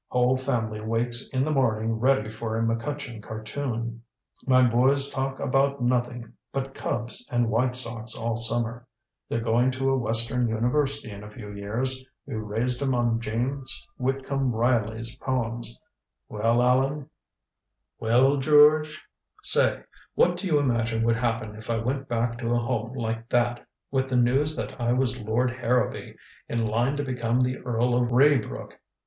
Whole family wakes in the morning ready for a McCutcheon cartoon. My boys talk about nothing but Cubs and White Sox all summer. They're going to a western university in a few years. We raised 'em on James Whitcomb Riley's poems. Well, Allan " "Well, George " "Say, what do you imagine would happen if I went back to a home like that with the news that I was Lord Harrowby, in line to become the Earl of Raybrook.